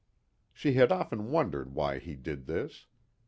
She had often wondered why he did this.